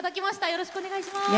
よろしくお願いします。